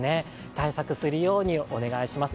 対策するようにお願いします。